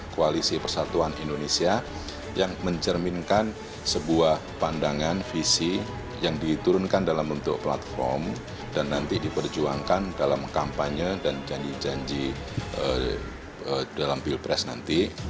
koalisi persatuan indonesia yang mencerminkan sebuah pandangan visi yang diturunkan dalam bentuk platform dan nanti diperjuangkan dalam kampanye dan janji janji dalam pilpres nanti